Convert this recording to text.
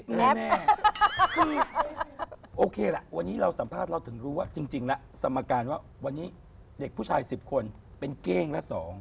แน่คือโอเคล่ะวันนี้เราสัมภาษณ์เราถึงรู้ว่าจริงแล้วสมการว่าวันนี้เด็กผู้ชาย๑๐คนเป็นเก้งละ๒